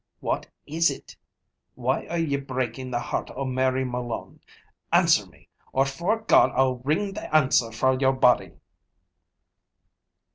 What is it? Why are ye breaking the heart o' Mary Malone? Answer me, or 'fore God I'll wring the answer fra your body!"